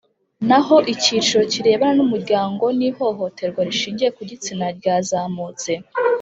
naho icyiciro kirebana n umuryango n ihohoterwa rishingiye ku gitsina ryazamutse